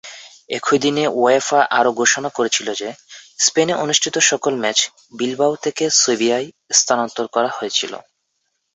একই দিনে, উয়েফা আরো ঘোষণা করেছিল যে, স্পেনে অনুষ্ঠিত সকল ম্যাচ বিলবাও থেকে সেভিয়ায় স্থানান্তর করা হয়েছিল।